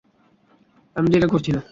আমি তো এটা করছি না।